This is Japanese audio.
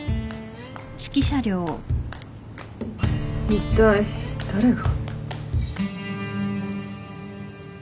いったい誰が？